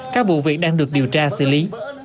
các vụ việc đang được điều tra xử lý